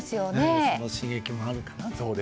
その刺激もあるかなと。